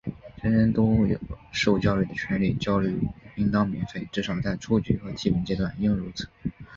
人人都有受教育的权利,教育应当免费,至少在初级和基本阶段应如此。